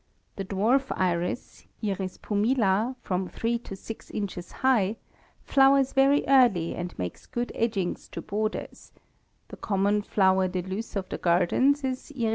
The dwarf iris, I. pumila, from three to six inches high, flowers very early and makes good edgings to borders; the common flower de luce of the gardens is _I.